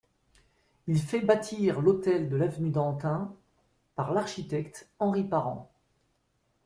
Il fait bâtir l'hôtel de l'avenue d'Antin par l'architecte Henri Parent.